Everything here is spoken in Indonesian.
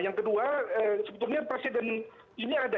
yang kedua sebetulnya presiden ini ada